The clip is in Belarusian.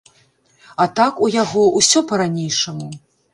А так у яго ўсё па-ранейшаму.